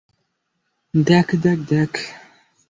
দেখ, দেখ, দেখ।